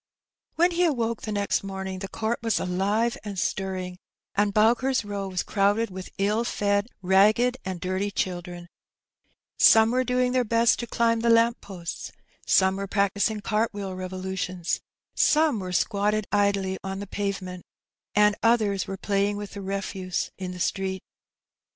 When he awoke the next morning the court was aEve and stirrings and Bowker's Row was crowded with ill fed, ragged, and dirty children : some were doing their best to climb the lamp posts, some were practising cart wheel revo lutions, some were squatted idly on the pavement^ and others were playing with the refuse in the street.